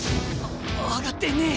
上がってねえ。